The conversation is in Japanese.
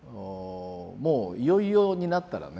もういよいよになったらね